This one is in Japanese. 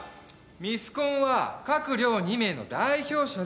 ミスコンは各寮２名の代表者で競う。